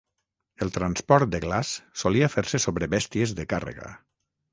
El transport de glaç solia fer-se sobre bèsties de càrrega.